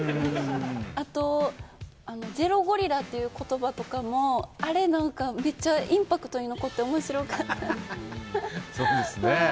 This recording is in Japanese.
あと、ゼロゴリラという言葉とかもあれなんかめっちゃインパクトに残って面白かった。